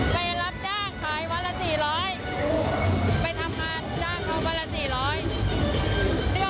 ไปรับจ้างขายวันละ๔๐๐ไปทำงานจ้างเขาวันละ๔๐๐บาท